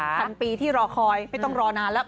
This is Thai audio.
พันปีที่รอคอยไม่ต้องรอนานแล้ว